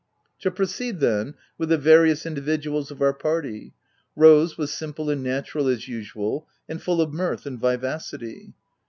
To proceed then, with the various indi viduals of our party; Rose was simple and natural as usual, and full of mirth and viva city.